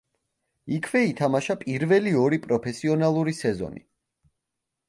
იქვე ითამაშა პირველი ორი პროფესიონალური სეზონი.